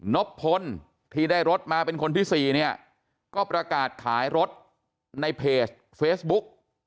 นบพลที่ได้รถมาเป็นคนที่สี่เนี่ยก็ประกาศขายรถในเพจเฟซบุ๊ก